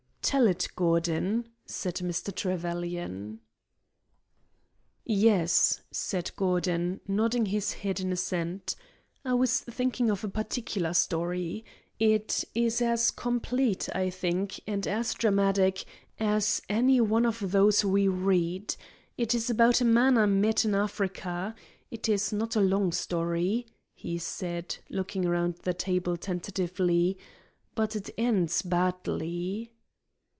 "Tell it, Gordon," said Mr. Trevelyan. "Yes," said Gordon, nodding his head in assent, "I was thinking of a particular story. It is as complete, I think, and as dramatic as any of those we read. It is about a man I met in Africa. It is not a long story," he said, looking around the table tentatively, "but it ends badly."